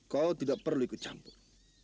kau tidak perlu ikut campur